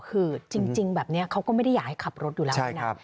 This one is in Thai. คือจริงแบบนี้เขาก็ไม่ได้อยากให้ขับรถอยู่แล้วด้วยนะ